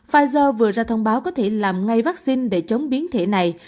pfizer vừa ra thông báo có thể làm ngay vaccine để chống biến thể này